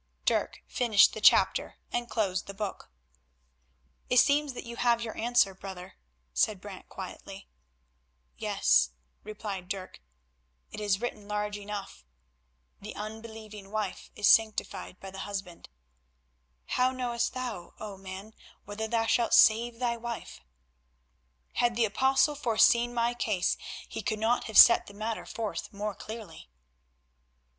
Dirk finished the chapter and closed the Book. "It seems that you have your answer, Brother," said Brant quietly. "Yes," replied Dirk, "it is written large enough:—'The unbelieving wife is sanctified by the husband ... how knowest thou, O man, whether thou shalt save thy wife?' Had the Apostle foreseen my case he could not have set the matter forth more clearly."